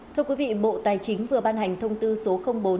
thưa quý vị bộ tài chính vừa ban hành thông tư số bốn